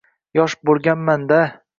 Yosh bo`lganman-da